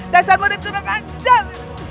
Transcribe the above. dasar model kudang ajar